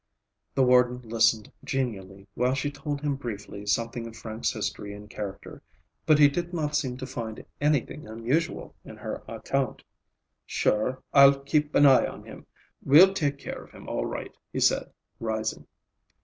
The warden listened genially while she told him briefly something of Frank's history and character, but he did not seem to find anything unusual in her account. "Sure, I'll keep an eye on him. We'll take care of him all right," he said, rising.